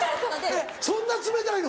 えっそんな冷たいの？